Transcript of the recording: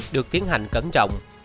được tiến hành cẩn trọng